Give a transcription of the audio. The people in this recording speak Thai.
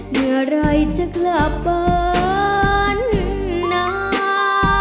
เมื่อไหร่จะกลับบ้านนา